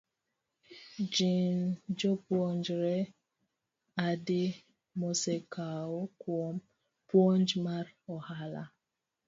Gin jopuonjre adi mosekau kuom puonj mar ohala?